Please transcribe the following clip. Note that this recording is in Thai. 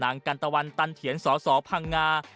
กันตะวันตันเถียนสสพังงา